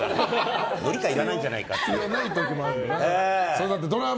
のりかいらないんじゃないかとか。